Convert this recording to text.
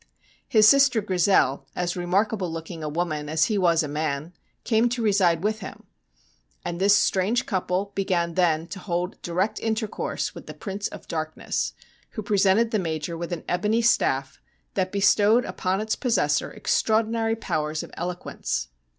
His sister Grizel, as remarkable looking a woman as he was a man, came to reside with him, and this strange couple began then to hold direct intercourse with the Prince of Darkness, who presented the Major with an ebony staff that bestowed upon its possessor extraordinary powers of eloquence.